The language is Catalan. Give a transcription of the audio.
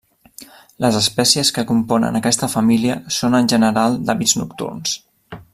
Les espècies que componen aquesta família són en general d'hàbits nocturns.